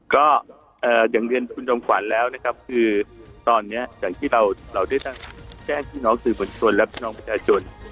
ก็อย่างเรียนคุณจอมขวัญแล้วนะครับคือตอนนี้อย่างที่เราได้แจ้งพี่น้องสื่อบนชนและพี่น้องประชาชน